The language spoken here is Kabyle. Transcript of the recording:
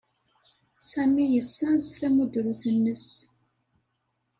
Sami yessenz tamudrut-nnes.